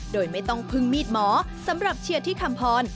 โดยไม่ต้องพึ่งมีดหมอสำหรับเชียร์ที่คำพร